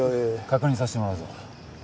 確認させてもらうぞ。